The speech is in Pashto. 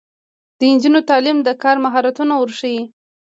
د نجونو تعلیم د کار مهارتونه ورښيي.